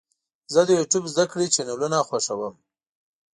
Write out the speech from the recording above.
زه د یوټیوب زده کړې چینلونه خوښوم.